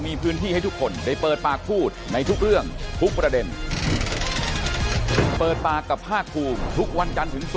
ขี่เป็นไหมไม่เป็นไม่เป็นนั่งนั่งก็กลัวนั่งได้นั่งได้แต่มัน